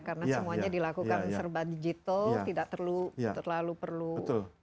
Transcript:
karena semuanya dilakukan serba digital tidak terlalu perlu bertemu